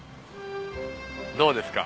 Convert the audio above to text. どうですか？